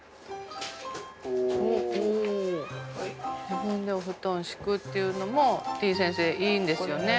自分でお布団敷くっていうのもてぃ先生いいんですよね？